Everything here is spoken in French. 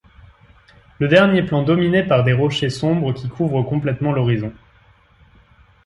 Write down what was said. Le dernier plan dominé par des rochers sombres qui couvrent complètement l'horizon.